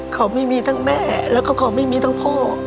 เขาไม่มีทั้งแม่แล้วก็เขาไม่มีทั้งพ่อ